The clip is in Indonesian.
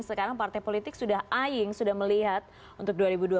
sekarang partai politik sudah eyeing sudah melihat untuk dua ribu dua puluh